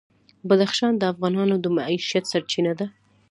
بدخشان د افغانانو د معیشت سرچینه ده.